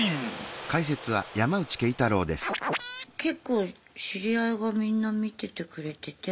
結構知り合いがみんな見ててくれてて。